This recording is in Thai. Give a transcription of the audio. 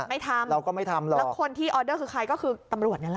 ไม่ทำแล้วคนที่ออเดอร์คือใครก็คือตำรวจนั้นแหละ